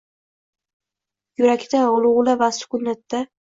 Yurakda gʻulgʻula va sukunatda